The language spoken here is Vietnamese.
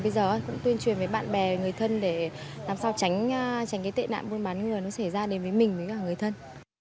bây giờ cũng tuyên truyền với bạn bè người thân để làm sao tránh cái tệ nạn buôn bán người nó xảy ra đến với mình với cả người thân